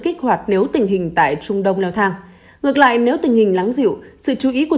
kích hoạt nếu tình hình tại trung đông leo thang ngược lại nếu tình hình lắng dịu sự chú ý của